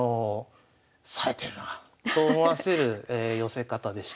さえてるなと思わせる寄せ方でした。